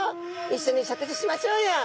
いっしょに食事しましょうよ」。